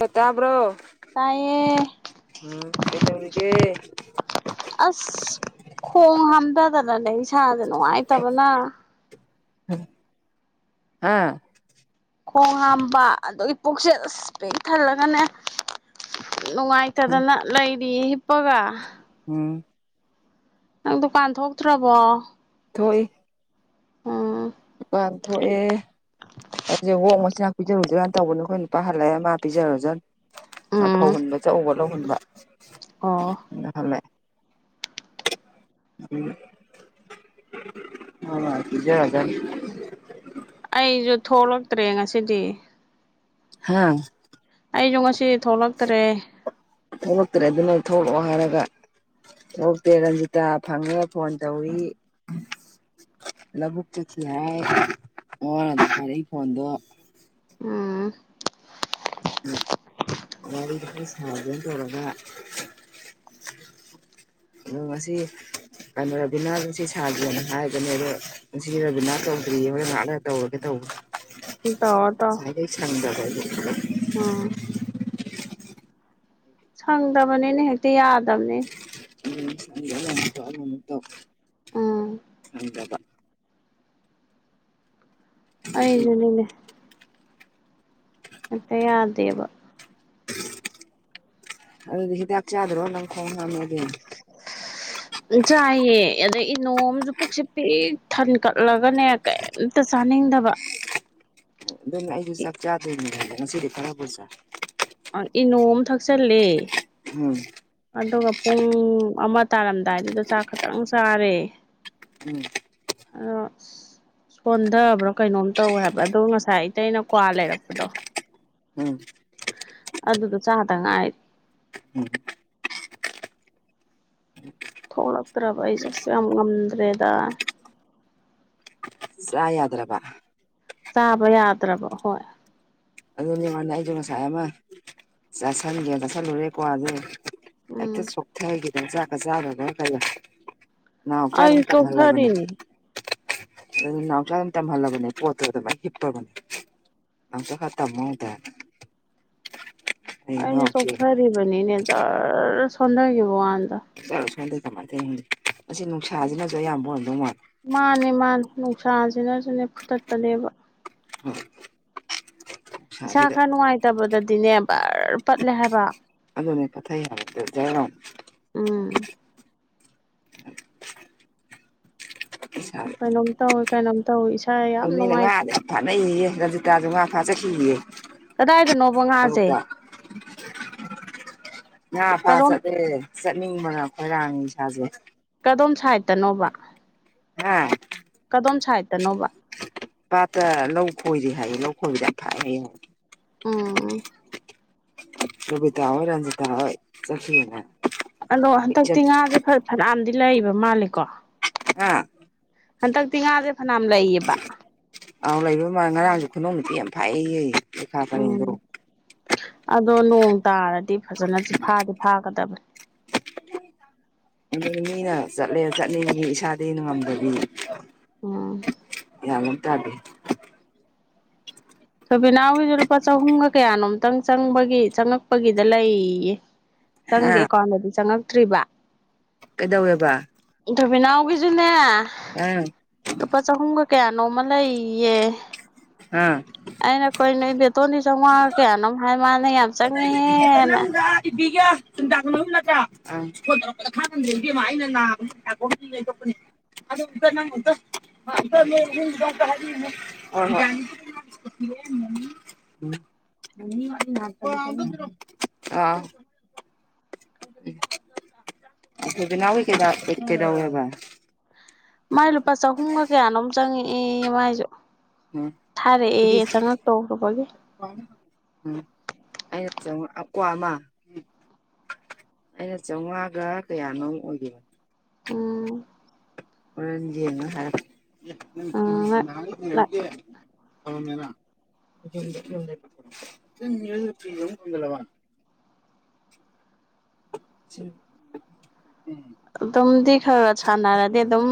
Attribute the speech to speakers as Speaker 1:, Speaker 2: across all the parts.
Speaker 1: ꯑꯣ
Speaker 2: ꯇꯥꯏꯌꯦ
Speaker 1: ꯎꯝ ꯀꯩꯗꯧꯔꯤꯒꯦ
Speaker 2: ꯑꯁ ꯈꯣꯡ ꯍꯥꯝꯊꯗꯅꯅꯦ ꯏꯁꯥꯁꯦ ꯅꯨꯡꯉꯥꯏꯇꯕꯅ
Speaker 1: ꯍꯥꯥ
Speaker 2: ꯈꯣꯡ ꯍꯥꯝꯕ ꯑꯗꯨꯗꯒꯤ ꯄꯨꯣꯛꯆꯦꯜ ꯑꯁ ꯄꯦꯛ ꯊꯜꯂꯒꯅꯦ
Speaker 1: ꯎꯝ
Speaker 2: ꯅꯨꯡꯉꯥꯏꯇꯗꯅ ꯂꯩꯔꯤ ꯍꯤꯞꯄꯒ
Speaker 1: ꯎꯝ
Speaker 2: ꯅꯪ ꯗꯨꯀꯥꯟ ꯊꯣꯛꯇ꯭ꯔꯕꯣ
Speaker 1: ꯊꯣꯏ
Speaker 2: ꯎꯝ
Speaker 1: ꯥꯟ ꯊꯣꯛꯑꯦ ꯑꯩꯁꯦ ꯑꯣꯋ ꯃꯆꯤꯟꯅꯥꯥꯛ ꯄꯤꯖꯔꯨꯗꯖꯅ ꯇꯧꯕꯅꯦ ꯑꯩꯈꯣꯏ ꯅꯨꯄꯥ ꯍꯜꯂꯛꯑꯦ ꯃꯥ ꯄꯤꯔꯨꯖꯥ
Speaker 2: ꯎꯝ
Speaker 1: ꯐꯧꯍꯟꯕ ꯆꯧꯕ ꯂꯧꯍꯟꯕ
Speaker 2: ꯑꯣ
Speaker 1: ꯎꯝ ꯑ ꯁꯤꯖ ꯍꯥꯏꯗ
Speaker 2: ꯑꯩꯁꯨ ꯊꯣꯛꯂꯛꯇ꯭ꯔꯦ ꯉꯁꯤꯗꯤ
Speaker 1: ꯍꯥꯥ
Speaker 2: ꯑꯩꯖ ꯉꯁꯤ ꯊꯣꯛꯂꯛꯇ꯭ꯔꯦ
Speaker 1: ꯊꯣꯛꯂꯛꯇ꯭ꯔꯦ ꯑꯗꯨꯅ ꯊꯣꯛꯂꯛꯑꯣ ꯍꯥꯏꯔ ꯑꯗꯨꯒ ꯊꯣꯛꯣꯛꯇꯦ ꯔꯟꯖꯤꯇꯥ ꯐꯪꯉꯒ ꯐꯣꯟ ꯇꯧꯋ ꯂꯧꯕꯨꯛꯇ ꯆꯠꯁꯤ ꯍꯥꯏ ꯍꯥꯏꯔꯛꯏ ꯐꯣꯟꯗꯣ
Speaker 2: ꯎꯝ
Speaker 1: ꯎꯝ ꯒꯥꯔꯤꯗꯨ ꯄ ꯁꯥꯒꯅ ꯇꯧꯔꯔꯕ ꯑ ꯑꯁꯤꯁꯤ ꯀꯩꯅꯣ ꯔꯕꯤꯅꯥꯗꯣ ꯁꯤ ꯁꯥꯒꯦꯅ ꯍꯥꯏꯕꯅꯦ ꯑꯗꯣ ꯉꯁꯤꯗꯤ ꯔꯕꯤꯅꯥ ꯇꯧꯗ꯭ꯔꯤꯌꯦ ꯍꯣꯏ ꯉꯍꯥꯛꯅ ꯇꯧꯔꯒꯦ
Speaker 2: ꯇꯧꯔꯣ ꯇꯧꯔꯣ
Speaker 1: ꯇꯧꯕ ꯆꯦ ꯊꯗ ꯄ
Speaker 2: ꯎꯝ ꯁꯪꯗꯕꯅꯤꯅꯦ ꯇ ꯌꯥꯗꯕꯅꯤ
Speaker 1: ꯠꯇ ꯃꯠꯇꯣꯗ
Speaker 2: ꯎꯝ
Speaker 1: ꯎꯝ
Speaker 2: ꯑꯩꯖꯨꯅꯤꯅ‌‌ꯦ ꯃꯠꯇꯦ ꯑꯗꯦꯕ
Speaker 1: ꯑꯗꯨꯗꯤ ꯍꯤꯗ ꯍꯥꯞꯆꯗ꯭ꯔꯣ ꯅꯪ ꯐꯅꯗ
Speaker 2: ꯆꯥꯏꯌꯦ ꯑꯗꯩ ꯏꯅꯣꯝꯁꯨ ꯄꯛꯁꯦ ꯄꯤꯛ ꯊꯟ ꯀꯠꯂꯒꯅꯦ ꯀꯩꯝꯇ ꯆꯥꯅꯤꯡ ꯀꯗꯕ
Speaker 1: ꯑꯗꯨꯝ ꯑꯩꯁꯨ ꯆꯥꯛ ꯆꯥꯗꯣꯏꯅꯤ ꯈꯗ ꯉꯁꯤꯗꯤ ꯈꯔꯕꯨꯖꯥ
Speaker 2: ꯏꯅꯣ ꯑꯃ ꯊꯛꯆꯜꯂ
Speaker 1: ꯎꯝ
Speaker 2: ꯑꯗꯨꯒ ꯄꯨꯡ ꯄꯨꯡ ꯑꯃ ꯇꯥꯔꯝꯗꯥꯏꯗꯨꯗ ꯆꯥꯛ ꯈꯇꯪ ꯆꯥꯔꯦ
Speaker 1: ꯎꯝ
Speaker 2: ꯑꯗꯣ ꯁꯣꯟꯊꯕ꯭ꯔꯣ ꯀꯩꯅꯣꯝ ꯇꯧꯋꯦ ꯍꯥꯏꯕ ꯑꯗꯣ ꯉꯁꯥꯏ ꯑꯇꯩ ꯑꯩꯅ ꯀ꯭ꯋꯥ ꯂꯩꯔꯛꯄꯗꯣ
Speaker 1: ꯎꯝ
Speaker 2: ꯑꯗꯨꯗ ꯆꯥꯍ ꯇ ꯉ
Speaker 1: ꯎꯝ
Speaker 2: ꯊꯣꯛꯂꯛꯇ꯭ꯔꯕ ꯑꯩꯁꯦ ꯑꯁꯨ ꯌꯥꯝ ꯉꯝꯗ꯭ꯔꯦꯗ
Speaker 1: ꯁꯗ꯭ꯔꯕ
Speaker 2: ꯆꯥꯕ ꯌꯥꯗ꯭ꯔꯕ ꯍꯣꯏ
Speaker 1: ꯑꯗꯨꯅꯦꯉꯥꯟꯗ ꯑꯩꯁꯨ ꯉꯁꯥꯏ ꯑꯃ ꯆꯥꯁꯤꯟꯒꯦꯅ ꯆꯥꯥꯁꯜꯂꯨꯔꯦꯀꯣ ꯑꯗꯨꯗ ꯑꯩꯛꯇ
Speaker 2: ꯎꯝ
Speaker 1: ꯁꯣꯛꯊ ꯍꯥꯏꯈꯤꯗꯅ ꯆꯖꯥꯀ ꯆꯥꯗꯕ ꯀꯩꯅ ꯎ ꯎꯆ
Speaker 2: ꯑꯩꯁꯨ
Speaker 1: ꯆꯥ ꯑꯗꯨꯜ ꯂꯒꯅꯤ
Speaker 2: ꯆꯣꯛꯊꯔꯤꯅꯤ
Speaker 1: ꯑꯗꯨ ꯅꯥꯎꯁꯥ ꯑꯗꯨꯝ ꯇꯝꯍꯜꯂꯕꯅꯦ ꯄꯣꯠꯇꯨ ꯑꯗꯨꯃꯥꯏꯅ ꯍꯤꯞꯄꯕꯅꯦ ꯅꯥꯁ ꯇꯃꯗ
Speaker 2: ꯑꯩꯅ ꯆꯣꯛꯊꯔꯤꯕꯅꯤꯅꯦ ꯖꯔ ꯁꯣꯟꯊꯈꯤꯕ ꯋꯥꯟꯗ
Speaker 1: ꯆꯥꯔꯨ ꯁꯗꯩ ꯀꯃꯥꯏꯅ ꯇꯧ ꯈꯪꯖꯤ ꯑꯁꯤ ꯅꯨꯡꯁꯥꯁꯤꯅꯁꯨ ꯑꯌꯥꯝꯕ ꯍꯣꯟꯗꯧ ꯃꯥꯜꯂꯦ
Speaker 2: ꯃꯥꯅꯦ ꯃꯥꯅꯦ ꯅꯨꯡꯁꯥꯁꯤꯅꯁꯨꯅꯦ ꯐꯨꯠꯇꯠꯄꯅꯦꯕ ꯏꯁꯥ
Speaker 1: ꯅꯨꯡꯁꯥꯁꯤꯗ
Speaker 2: ꯈꯔ ꯅꯨꯡꯉꯥꯏꯇꯕꯗꯗꯤꯅꯦ ꯕꯔ ꯄꯠꯂꯦ ꯍꯥꯏꯕ
Speaker 1: ꯑꯗꯨꯗꯅꯦ ꯀꯊ ꯍꯥꯏꯖꯔꯝ
Speaker 2: ꯎꯝ ꯀꯥꯏ ꯅꯝꯇꯥ ꯍ ꯀꯥꯏ ꯅꯝꯣꯏ
Speaker 1: ꯑꯗꯨ ꯃꯤꯅ ꯉꯥꯗꯤ ꯌꯥꯝ ꯐꯥꯅꯩꯌꯦ ꯔꯟꯖꯤꯇꯥꯁꯨ ꯉꯥ ꯐꯥꯖꯈꯤꯌꯦ
Speaker 2: ꯀꯗꯥꯏꯗꯅꯣꯕ ꯉꯥꯁꯦ
Speaker 1: ꯉꯥ ꯐꯥ
Speaker 2: ꯀꯗꯣꯝ
Speaker 1: ꯆꯠꯂꯦ ꯆꯠꯅꯤꯡꯕꯅ ꯈꯣꯏꯔꯥꯡꯅꯤ ꯏꯁꯥꯁꯦ
Speaker 2: ꯀꯗꯣꯝ ꯁꯥꯏꯠꯇꯅꯣꯕ
Speaker 1: ꯑ
Speaker 2: ꯀꯗꯣꯝ ꯁꯥꯏꯠꯇꯅꯣꯕ
Speaker 1: ꯄꯥꯠꯇ ꯂꯧ ꯈꯣꯏꯗꯤ ꯍꯥꯏꯌꯦ ꯂꯧ ꯈꯣꯏꯕꯗ ꯌꯥꯝ ꯐꯥꯏꯌꯦꯡꯉ
Speaker 2: ꯎꯝ
Speaker 1: ꯔꯕꯤꯇꯥ ꯍꯣꯢ ꯔꯟꯖꯤꯇꯥ ꯍꯣꯢ ꯆꯁꯤꯅ
Speaker 2: ꯑꯗꯣ ꯍꯟꯗꯛꯇꯤ ꯉꯥꯁꯦ ꯐꯅꯥꯝꯗꯤ ꯂꯩꯕ ꯃꯥꯜꯂꯦꯀꯣ
Speaker 1: ꯑꯥ
Speaker 2: ꯍꯟꯗꯛꯇꯤ ꯉꯥꯁꯦ ꯐꯅꯌꯥꯝ ꯂꯩꯌꯦꯕ
Speaker 1: ꯑꯥꯎ ꯂꯩꯕ ꯃꯥ ꯉꯔꯥꯡꯁꯨ ꯈꯨꯅꯨꯡꯧ ꯅꯨꯄꯤ ꯌꯥꯝ ꯐꯩꯌꯦ ꯂꯩꯦꯈꯥ ꯄꯔꯦꯡꯗꯣ
Speaker 2: ꯎꯝ ꯑꯗꯣ ꯅꯣꯡ ꯇꯥꯔꯗꯤ ꯐꯖꯅ ꯐꯥꯗꯤ ꯐꯥꯒꯗꯕꯅꯤ
Speaker 1: ꯑꯗꯨ ꯃꯤꯅ ꯆꯠꯂꯦ ꯆꯠꯅꯤꯡꯉꯒꯤ ꯏꯁꯥꯗ ꯅꯨꯡꯉꯝꯗꯕꯤ
Speaker 2: ꯑꯣ
Speaker 1: ꯇꯗꯦ
Speaker 2: ꯁꯣꯕꯤꯅꯥ ꯍꯣꯏꯁꯨ ꯂꯨꯄꯥ ꯆꯍꯨꯝꯒ ꯀꯌꯥꯅꯣꯝꯇꯪ ꯆꯪꯕꯒꯤ ꯆꯪꯉꯛꯄꯒꯤꯗ ꯂꯩꯌꯦ ꯆꯪꯗꯦ
Speaker 1: ꯑ
Speaker 2: ꯑꯦꯀꯥꯎꯟꯗꯗꯤ ꯆꯪꯉꯛꯇ꯭ꯔꯤꯕ
Speaker 1: ꯀꯩꯗꯧꯋꯦꯕ
Speaker 2: ꯕꯤꯅꯥꯎꯒꯤꯁꯨꯅꯦ
Speaker 1: ꯑꯪ
Speaker 2: ꯂꯨꯄꯥ ꯆꯍꯨꯝꯒ ꯀꯌꯥ ꯅꯣꯡꯃ ꯂꯩ
Speaker 1: ꯑꯥ
Speaker 2: ꯑꯩꯅ ꯀꯩꯅꯣ ꯏꯕꯦꯇꯣꯟꯗꯤ ꯆꯥꯝꯃꯉꯥꯒ ꯀꯌꯥꯅꯣ ꯍꯥꯏ ꯃꯥꯅ ꯌꯥꯝ ꯆꯪꯉꯦꯍꯦꯅ
Speaker 1: ꯁꯨꯝꯇꯥꯛ ꯃꯨꯝ ꯅꯠꯇ ꯁꯣꯟꯔꯛꯄꯗ ꯈꯥꯍꯟꯗꯦꯃ ꯑꯩꯅ ꯅꯥꯕꯇꯣꯛꯄꯅꯦ ꯑꯗꯨꯗ ꯎ ꯅꯪ ꯎ [unintelligible] ꯑꯥ ꯎꯗꯅꯥꯎ ꯀꯗ ꯀ ꯀꯗꯧꯋꯦꯕ
Speaker 2: ꯃꯥꯏ ꯂꯨꯄꯥ ꯆꯍꯨꯝꯒ ꯀꯌꯥꯅꯣꯝ ꯆꯪꯉꯛꯏ ꯃꯥꯏꯁꯨ
Speaker 1: ꯎꯝ
Speaker 2: ꯊꯥꯔꯦꯛꯑꯦꯌꯦ ꯆꯪꯉꯛ ꯇꯧꯔꯨꯕꯒꯤ
Speaker 1: ꯎ ꯑꯩꯅ ꯆꯪꯉ ꯀ꯭ꯋꯥ ꯑꯃ ꯑꯩꯅ ꯆꯥꯝꯃꯉꯥꯒ ꯀꯌꯥꯅꯣ ꯑꯣꯏꯈꯤꯕꯅꯣ
Speaker 2: ꯎꯝ
Speaker 1: ꯍꯣꯔꯦꯟꯗꯤꯅ ꯍꯥꯏ
Speaker 2: ꯎꯝ
Speaker 1: [unintelligible] [inaudible] ꯁꯤ
Speaker 2: ꯑꯗꯨꯝꯗꯤ ꯈꯔ ꯁꯥꯟꯅꯔꯗꯤ ꯑꯗꯨꯝ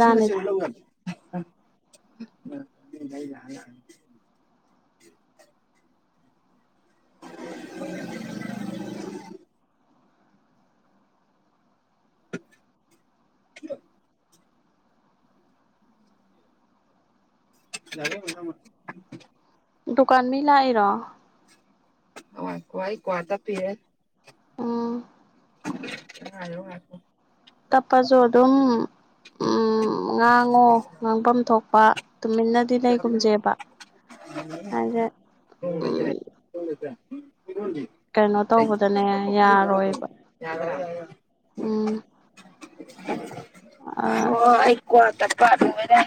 Speaker 1: ꯁꯤꯔ ꯁꯤ ꯂꯧꯕꯒ [unintelligible] [inaudible] [unintelligible] ꯌꯥꯔꯦ ꯃꯥ
Speaker 2: ꯗꯨꯀꯥꯟ ꯃꯤ ꯂꯥꯛꯏꯔꯣ
Speaker 1: ꯑ ꯀꯋꯥꯏ ꯀ꯭ꯋꯥ ꯇꯄꯤꯍꯦ
Speaker 2: ꯎꯝ
Speaker 1: [unintelligible]
Speaker 2: ꯇꯞꯄꯁꯨ ꯑꯗꯨꯝ ꯎ ꯉꯥꯡꯉꯣ ꯉꯥꯡꯐꯝ ꯊꯣꯛꯄ ꯇꯨꯃꯤꯟꯅꯗꯤ ꯂꯩꯒꯨꯝꯖꯦꯕ ꯑ ꯎꯝ ꯀꯩꯅꯣ ꯇꯧꯕꯗꯅꯦ ꯌꯥꯔꯣꯏꯕ ꯎꯝ ꯑꯥ
Speaker 1: ꯍꯣ ꯍꯣ ꯑꯩ ꯀ꯭ꯋꯥ ꯇꯞꯄ ꯂꯣꯢꯔꯦ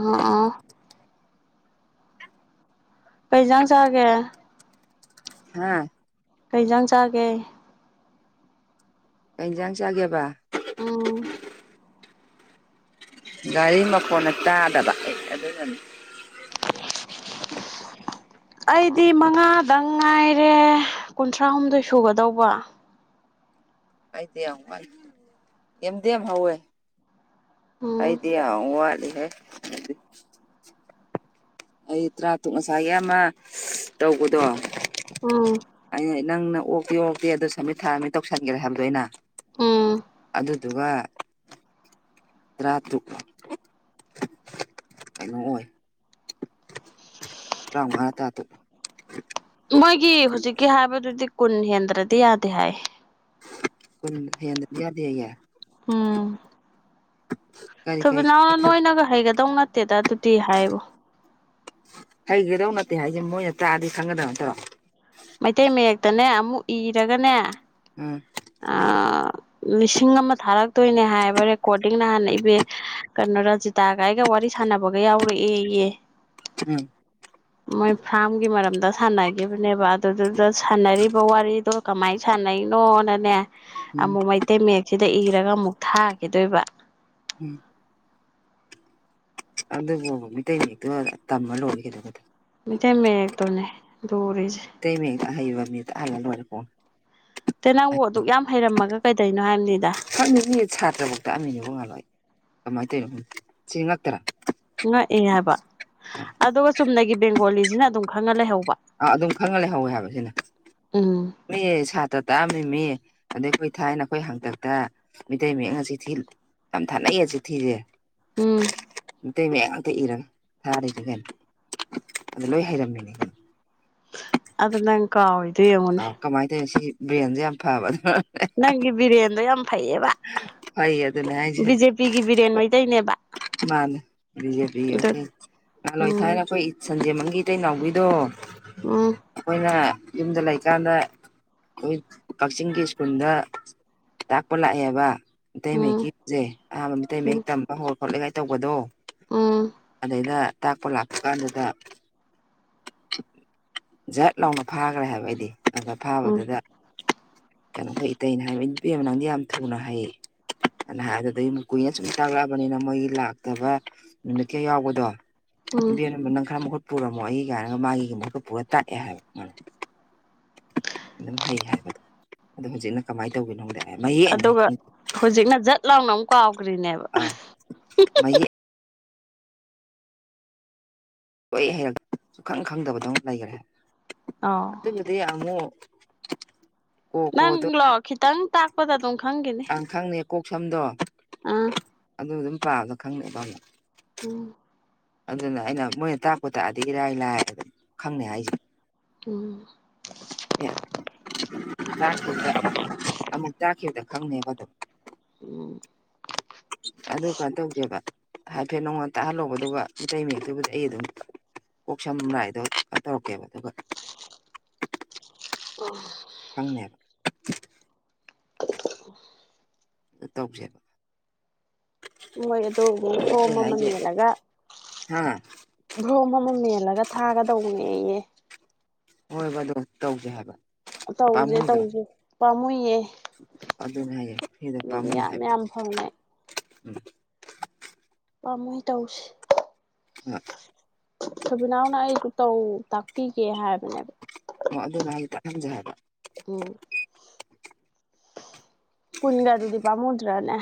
Speaker 2: ꯑ ꯑ ꯀꯩꯁꯥꯡ ꯆꯥꯒꯦ
Speaker 1: ꯍꯥꯥ
Speaker 2: ꯀꯩꯖꯥꯡ ꯆꯥꯒꯦ
Speaker 1: ꯀꯩꯏꯟꯁꯥꯡ ꯆꯥꯒꯦꯕ
Speaker 2: ꯎꯝ
Speaker 1: ꯒꯥꯔꯤ ꯃꯈꯣꯟꯅ ꯇꯥꯗꯕ ꯑꯦ ꯑꯗꯨꯅꯅꯤ ꯎꯝ
Speaker 2: ꯑꯩꯗꯤ ꯃꯉꯥꯗꯪ ꯉꯥꯏꯔꯦ ꯀꯨꯟꯊ꯭ꯔꯥꯍꯨꯝꯗꯣꯏ ꯁꯨꯒꯗꯧꯕ
Speaker 1: ꯑꯩꯗ ꯑꯦꯝꯗꯦꯝ ꯍꯧꯑ
Speaker 2: ꯎꯝ
Speaker 1: ꯑꯩꯗꯤ ꯌꯥꯠꯂꯤꯍ ꯍꯥꯏꯗꯤ [inaudible] ꯑꯩ ꯇꯔꯥꯇꯨꯛ ꯉꯁꯥꯏꯒꯤ ꯑꯃ ꯇꯧꯕꯗꯣ
Speaker 2: ꯎꯝ
Speaker 1: ꯑ ꯅꯪꯅ ꯑꯣꯛꯇꯤ ꯑꯣꯛꯇꯦ ꯑꯗꯨ ꯁꯃꯤꯠ ꯊꯥꯔꯝꯃꯦ ꯇꯧꯁꯟꯒꯦꯔꯦ ꯍꯥꯏꯕꯗꯣ ꯑꯩꯅ
Speaker 2: ꯎꯝ
Speaker 1: ꯑꯗꯨꯗꯗꯨ ꯋ ꯇꯔꯥꯇꯔꯨꯛ ꯀꯩꯅꯣ ꯑꯣꯏ ꯇꯔ꯭ꯥꯎꯉ ꯇꯇꯨꯛ
Speaker 2: ꯃꯣꯏꯒꯤ ꯍꯧꯖꯤꯛꯀꯤ ꯍꯥꯏꯕꯗꯨꯗꯤ ꯀꯨꯟ ꯍꯦꯟꯗ꯭ꯔꯗꯤ ꯌꯥꯗꯦ ꯍꯥꯏ
Speaker 1: ꯀꯨꯟ ꯍꯦꯟꯗꯗꯤ ꯌꯥꯗꯦꯌꯦ
Speaker 2: ꯊꯕꯤꯅꯥꯎꯅ ꯅꯣꯏꯅꯒ ꯍꯩꯒꯗꯧ ꯅꯠꯇꯦꯗ ꯑꯗꯨꯗꯤ ꯍꯥꯏꯕꯣ
Speaker 1: ꯍꯩꯒꯗꯧ ꯅꯠꯇꯦ ꯍꯥꯏꯁꯦ ꯃꯣꯏꯅ ꯇꯥꯑꯗꯤ ꯈꯪꯒꯗꯕ ꯅꯠꯇ꯭ꯔꯣ
Speaker 2: ꯃꯩꯇꯩ ꯃꯌꯦꯛꯇꯅꯦ ꯑꯃꯨꯛ ꯏꯔꯒꯅꯦ
Speaker 1: ꯎꯝ
Speaker 2: ꯑ ꯂꯤꯁꯤꯡ ꯑꯃ ꯊꯥꯔꯛꯇꯣꯏꯅꯦ ꯍꯥꯏꯕ ꯔꯦꯀꯣꯔꯗꯤꯡ ꯅꯍꯥꯟꯅ ꯏꯕ ꯀꯩꯅꯣ ꯔꯖꯤꯇꯥꯒꯥꯏꯒ ꯋꯥꯔꯤ ꯁꯥꯟꯅꯕꯒ ꯌꯥꯎꯔꯛꯑꯦꯌꯦ
Speaker 1: ꯎꯝ
Speaker 2: ꯃꯣꯏ ꯐꯥꯝꯒꯤ ꯃꯔꯝꯗ ꯁꯥꯟꯅꯈꯤꯕꯅꯦꯕ ꯑꯗꯨꯗꯨꯗ ꯁꯥꯟꯅꯔꯤꯕ ꯋꯥꯔꯤꯗꯣ ꯀꯃꯥꯏ ꯁ ꯍꯥꯟꯅꯩꯅꯣꯅꯅꯦ
Speaker 1: ꯎꯝ
Speaker 2: ꯑꯃꯨꯛ ꯃꯩꯇꯩ ꯃꯌꯦꯛꯁꯤꯗ ꯏꯔꯒ ꯑꯃꯨꯛ ꯊꯥꯈꯤꯗꯣꯏꯕ
Speaker 1: ꯎꯝ ꯑꯗꯨꯕꯨ ꯃꯩꯇꯩ ꯍꯦꯛꯇꯣ ꯇꯝꯃ ꯂꯣꯏꯒꯗꯗ [inaudible]
Speaker 2: ꯃꯇꯩ ꯃꯛꯇꯣꯅꯦ
Speaker 1: ꯇꯩꯌꯦꯛ ꯑꯍꯩꯕ ꯃꯤ ꯇꯥꯛꯍꯜꯂ
Speaker 2: ꯇ ꯅꯪꯕꯨ ꯑꯗꯨꯛ ꯌꯥꯝ ꯍꯩꯔꯝꯃꯒ ꯀꯩꯗꯩꯅꯣ ꯍꯥꯏꯕꯅꯤꯗ
Speaker 1: ꯈꯪꯉꯁꯤ ꯁꯥꯇ꯭ꯔꯐꯧ ꯇ ꯑꯃꯅꯤꯅꯦꯕ ꯉꯥꯜꯂꯣ ꯑꯩ ꯀꯃꯥꯏꯅ ꯇꯧꯔꯤꯅꯣ ꯁꯤ ꯉꯛꯇꯔꯥ
Speaker 2: ꯉꯛꯑꯦ ꯍꯥꯏꯕ ꯑꯗꯨꯒ ꯆꯨꯝꯅꯒꯤ ꯕꯦꯡꯒꯣꯂꯤꯁꯤꯅ ꯑꯗꯨꯝ ꯈꯪꯉ ꯂꯩꯍꯧꯕ
Speaker 1: ꯑ ꯑꯗꯨꯝ ꯈꯪꯉ ꯂꯩꯍꯧꯋꯦ ꯍꯥꯏ ꯁꯤꯅ
Speaker 2: ꯎꯝ
Speaker 1: ꯃꯤ ꯁꯥꯇ꯭ꯔ ꯇꯥꯑꯝꯅꯤ ꯃꯤꯌꯦ ꯑꯗꯩ ꯀꯣꯏ ꯊꯥꯏꯅ ꯑꯩꯈꯣꯏ ꯍꯥꯡꯇꯛꯇ ꯃꯩꯇꯩ ꯃꯌꯦꯛꯅ ꯆꯤꯊꯤ ꯌꯥꯝ ꯊꯥꯅꯩ ꯆꯤꯊꯤꯁꯦ
Speaker 2: ꯎꯝ
Speaker 1: ꯃꯩꯇꯩ ꯃꯌꯥꯝ ꯑꯇ ꯏꯔꯝꯅꯤ ꯊꯥꯗꯩꯗ ꯀꯩꯅ ꯑꯗꯨ ꯂꯣꯏ ꯍꯩꯔꯝꯃꯤꯅꯦ
Speaker 2: ꯑꯗ ꯅꯪ ꯀꯥꯎꯏ
Speaker 1: ꯑ ꯀꯃꯥꯏ ꯇꯩ ꯁꯤ ꯕ꯭ꯔꯦꯟꯁꯦ ꯌꯥꯝ ꯐꯕ ꯑꯗꯨ [inaudible]
Speaker 2: ꯅꯪꯒꯤ ꯕꯤꯔꯦꯟꯗꯣ ꯌꯥꯝ ꯐꯩꯌꯦꯕ
Speaker 1: ꯐꯩ ꯑꯗꯨꯅꯦ
Speaker 2: ꯕꯤ ꯖꯦ ꯄꯤꯒꯤ ꯕꯤꯔꯦꯟ ꯃꯩꯇꯩꯅꯦꯕ
Speaker 1: ꯃꯅꯦ ꯕꯤꯖꯦꯄ [inaudible] ꯑꯣꯏ
Speaker 2: ꯎꯝ
Speaker 1: ꯊꯥꯏꯔꯈꯣꯏ ꯏꯁꯟ ꯃ ꯏꯇꯩꯅꯥꯎꯕꯤꯗꯣ
Speaker 2: ꯎꯝ
Speaker 1: ꯑꯩꯈꯣꯏꯅ ꯌꯨꯝꯗ ꯂꯩꯀꯥꯟꯗ ꯑꯩꯈꯣꯏ ꯀꯛꯆꯤꯡꯒꯤ ꯁ꯭ꯀꯨꯜꯗ ꯇꯥꯛꯄ ꯂꯥꯛꯑꯦ ꯕ ꯃꯤꯇꯩ
Speaker 2: ꯎꯝ
Speaker 1: ꯃꯌꯦꯛꯀꯤꯁꯦ ꯑꯍꯥꯟꯕ ꯃꯤꯇꯩ ꯃꯌꯦꯛ ꯇꯝꯕ ꯍꯧꯔ ꯈꯣꯠꯂꯦꯒꯥꯏ ꯇꯧꯕꯗꯣ
Speaker 2: ꯎꯝ ꯎꯝ
Speaker 1: ꯑꯗꯩꯗ ꯇꯥꯛꯄ ꯂꯥꯛꯄ ꯀꯥꯟꯗꯨꯗ ꯖꯠ ꯂꯥꯎꯅ ꯐꯥꯈ꯭ꯔꯦ ꯍꯥꯏꯕ ꯑꯩꯗꯤ ꯑꯗ
Speaker 2: ꯎꯝ
Speaker 1: ꯐꯥꯕꯗꯨꯗ ꯀꯩꯅꯣꯈ ꯏꯇꯩꯩꯅ ꯍꯥꯏ ꯄꯦꯃ ꯅꯪꯗꯤ ꯌꯥꯝ ꯊꯨꯅ ꯍꯩ ꯑꯅ ꯍꯥꯏ ꯑꯗꯨꯗ ꯀꯨꯏꯅ ꯁꯨꯝ ꯇꯥꯛꯂꯛꯑꯕꯅꯤꯅ ꯃꯣꯏꯒꯤ ꯂꯥꯛꯇꯕ ꯅꯨꯃꯤꯠ ꯀꯌꯥ ꯌꯥꯎꯕꯗꯣ ꯏ
Speaker 2: ꯎꯝ
Speaker 1: ꯅ ꯅꯪ ꯈꯔ ꯃꯈ [inaudible] ꯄꯨꯔꯝꯃꯣ ꯑꯩꯒꯤ ꯀꯥꯏꯅꯒ ꯃꯥꯒꯤ ꯃꯍꯨ ꯄꯨꯔ ꯇꯥꯛꯑꯦ ꯍꯥꯏꯕ ꯃꯥꯅ ꯑꯗꯨꯝ ꯍꯩ ꯍꯥꯏꯕꯗ ꯑꯗꯣ ꯍꯧꯖꯤꯛꯅ ꯀꯃꯥꯏꯅ ꯇꯧꯒꯤꯅꯣꯗꯌꯦꯛ
Speaker 2: ꯑꯗꯨꯒ ꯍꯧꯖꯤꯛꯅ ꯖꯠ ꯂꯥꯎꯅ ꯑꯃ ꯀꯥꯎꯒ꯭ꯔꯤꯅꯦꯕ
Speaker 1: ꯑꯥ ꯃꯌꯦꯛ ꯂꯣꯏ ꯍꯩꯔ ꯁꯨꯈꯪ ꯈꯪꯗꯕꯗꯧ ꯂꯩꯈ꯭ꯔꯦ
Speaker 2: ꯑꯧ
Speaker 1: ꯑꯗꯨꯕꯨꯗꯤ ꯑꯃꯨꯛ ꯀꯣ
Speaker 2: ꯅꯪ
Speaker 1: ꯈꯣꯗꯣ
Speaker 2: ꯂꯣ ꯈꯤꯇꯥꯪ ꯇꯥꯛꯄꯗ ꯑꯗꯨꯝ ꯈꯪꯒꯤꯅꯤ
Speaker 1: ꯈꯪꯅꯦ ꯀꯣꯛ ꯁꯝꯗꯣ
Speaker 2: ꯑꯥ
Speaker 1: ꯑꯗꯨ ꯑꯗꯨꯝ ꯄꯥꯕ ꯈꯪꯗꯣꯏꯖꯥꯔꯣ
Speaker 2: ꯎꯝ
Speaker 1: ꯑꯗꯨꯅ ꯑꯩꯅ ꯃꯣꯏꯅ ꯇꯥꯛꯄ ꯇꯥꯛꯑꯗꯤ ꯏꯔꯥꯏ ꯂꯥꯏ ꯑꯗꯨ ꯈꯪꯅꯤ ꯍꯥꯏꯁꯦ
Speaker 2: ꯎꯝ
Speaker 1: ꯑꯦ ꯑꯃꯨꯛ ꯇꯥꯛꯈꯤꯕꯗ ꯈꯪꯅꯦꯕ ꯑꯗꯨꯝ
Speaker 2: ꯎꯝ
Speaker 1: ꯑꯗꯨꯀꯟ ꯇꯧꯁꯦꯕ ꯍꯥꯏꯐꯦꯠ ꯅꯪꯉꯣꯟꯗ ꯇꯥꯛꯍꯜꯂꯣ ꯑꯗꯨꯒ ꯃꯩꯇꯩ ꯃꯌꯦꯛꯇꯨꯕꯨꯗꯤ ꯑꯩ ꯑꯗꯨꯝ ꯀꯣꯛ ꯁꯝ ꯂꯥꯥꯏꯗꯣ ꯇꯧꯔꯛꯀꯦꯕ ꯑꯗꯨꯒ
Speaker 2: ꯑꯣ
Speaker 1: ꯈꯪꯅꯦꯕ ꯇꯧꯁꯦꯕ
Speaker 2: ꯍꯣꯏ ꯑꯗꯨ ꯐꯣꯝ ꯑꯃ ꯃꯦꯜꯂꯒ
Speaker 1: ꯍꯥꯥ
Speaker 2: ꯐꯣꯝ ꯑꯃ ꯃꯦꯜꯂꯒ ꯊꯥꯒꯗꯧꯕꯅꯦꯌꯦ
Speaker 1: ꯍꯣꯏꯕ ꯑꯗꯣ ꯇꯧꯖꯦ ꯍꯥꯏꯕ
Speaker 2: ꯇꯧꯁꯦ ꯇꯧꯁꯦ ꯄꯥꯝꯃꯨꯏꯌꯦ
Speaker 1: ꯑꯗꯨꯅꯦ ꯍꯥꯏꯖꯦ ꯐꯔꯤꯗ
Speaker 2: ꯃꯤꯗꯤ
Speaker 1: ꯄꯥꯝꯃꯨꯏ
Speaker 2: ꯌꯥꯝ
Speaker 1: ꯍꯥꯏꯕ
Speaker 2: ꯌꯥꯝ ꯐꯪꯉꯦ
Speaker 1: ꯎꯝ
Speaker 2: ꯄꯥꯝꯃꯨꯏ ꯇꯧꯁꯤ
Speaker 1: ꯑ
Speaker 2: ꯁꯕꯤꯅꯥꯎꯅ ꯑꯩ ꯇꯧ ꯇꯥꯛꯄꯤꯒꯦ ꯍꯥꯏꯕꯅꯦꯕ
Speaker 1: ꯑꯣ ꯑꯗꯨꯅꯦ ꯇꯥꯛꯍꯟꯖꯦ ꯍꯥꯏꯕ
Speaker 2: ꯎꯝ ꯀꯨꯟꯒꯗꯨꯗꯤ ꯄꯥꯃꯨꯗ꯭ꯔꯅꯦ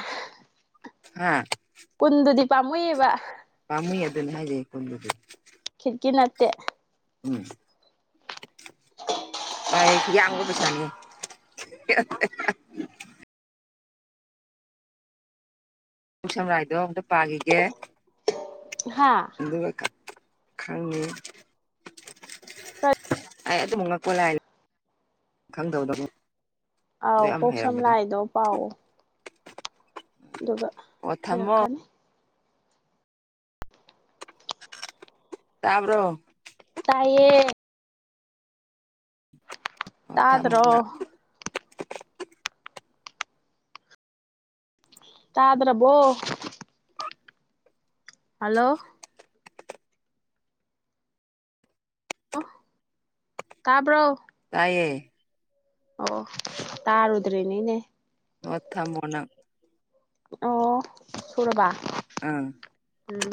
Speaker 1: ꯍꯥꯥ
Speaker 2: ꯀꯨꯟꯗꯨꯗꯤ ꯄꯥꯝꯃꯨꯏꯌꯦꯕ
Speaker 1: ꯄꯥꯝꯃꯨꯏ ꯑꯗꯨꯨꯅꯦ ꯍꯥꯏꯁꯦ ꯀꯨꯟꯗꯨꯗꯤ
Speaker 2: ꯈꯤꯠꯀꯤ ꯅꯠꯇꯦ
Speaker 1: ꯎꯝ ꯌꯥ ꯌꯥꯝꯒꯔꯕ ꯄꯩꯁꯥꯅꯦ ꯎꯝ ꯁꯝꯔꯥꯏꯗꯣ ꯑꯝꯇ ꯄꯥꯈꯤꯒꯦ
Speaker 2: ꯍꯥꯥ
Speaker 1: ꯑꯗꯨꯒ ꯈꯪꯉꯤ ꯑꯩ ꯑꯗꯨꯝ ꯉꯛꯄꯣ ꯂꯥ ꯈꯪꯗꯕꯗꯣ ꯑꯗꯨꯝ
Speaker 2: ꯑꯥꯎ ꯀꯣꯛ ꯁꯝ ꯂꯥꯏꯗꯣ ꯄꯥꯎꯑꯣ ꯑꯗꯨꯒ
Speaker 1: ꯑꯣ ꯊꯝꯃꯣ
Speaker 2: ꯍꯩꯔꯛꯀꯅꯤ
Speaker 1: ꯇꯥꯕ꯭ꯔꯣ
Speaker 2: ꯇꯥꯏꯌꯦ
Speaker 1: ꯑꯣ ꯊꯝꯃꯣ
Speaker 2: ꯇꯥꯗ꯭ꯔꯣ
Speaker 1: ꯅꯪ
Speaker 2: ꯇꯥꯗ꯭ꯔꯕꯣ ꯍꯜꯂꯣ ꯍꯜꯂꯣ ꯇꯥꯕ꯭ꯔꯣ
Speaker 1: ꯇꯥꯏꯌꯦ
Speaker 2: ꯑꯣ ꯇꯥꯔꯨꯗ꯭ꯔꯅꯤꯅꯦ
Speaker 1: ꯃꯨꯠ ꯊꯝꯕꯔ ꯅꯪ
Speaker 2: ꯑꯣ ꯁꯨꯔꯕ
Speaker 1: ꯑꯥ
Speaker 2: ꯎꯝ